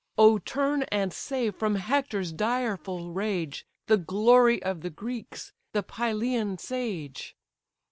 Oh turn and save from Hector's direful rage The glory of the Greeks, the Pylian sage."